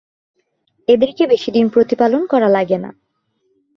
এদেরকে বেশি দিন প্রতিপালন করা লাগে না।